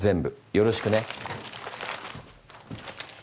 よろしくね。